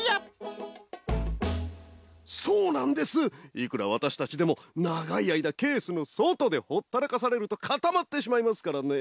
いくらわたしたちでもながいあいだケースのそとでほったらかされるとかたまってしまいますからね。